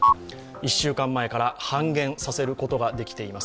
１週間前から半減させることができています。